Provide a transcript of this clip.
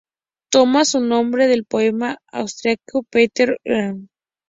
Toma su nombre del poeta austriaco Peter Altenberg.